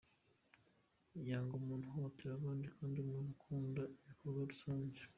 Yanga umuntu uhohotera abandi kandi ni umuntu ukunda ibikorwa rusange.